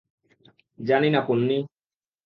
জানি না, পোন্নি।